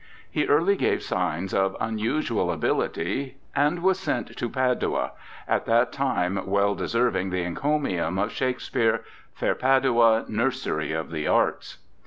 He early gave signs of unusual ability, and was sent to Padua, at that time well deserving the encomium of Shakespeare :' Fair Padua, nursery of the arts.'